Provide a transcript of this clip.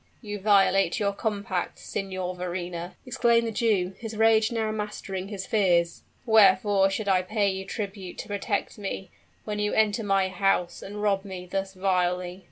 "You violate your compact, Signor Verrina!" exclaimed the Jew, his rage now mastering his fears. "Wherefore should I pay you tribute to protect me, when you enter my house and rob me thus vilely?"